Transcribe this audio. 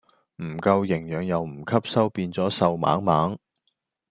唔夠營養又唔吸收變左瘦猛猛